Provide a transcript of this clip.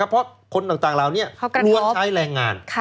เพราะคนต่างลับเล้านี้รวบใช้แรงงาน